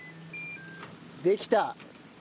できた。